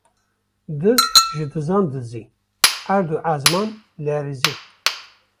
Diz ji dizan dizî, erd û ezman lerizî